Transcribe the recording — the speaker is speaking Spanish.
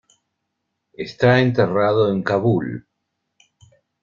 Está enterrado en Kabul.